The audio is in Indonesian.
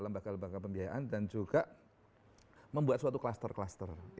lembaga lembaga pembiayaan dan juga membuat suatu cluster cluster